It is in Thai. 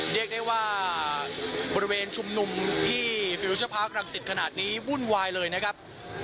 เรียกได้ว่าบริเวณชุมนุมที่ฟิลเชอร์พาร์ครังสิตขนาดนี้วุ่นวายเลยนะครับ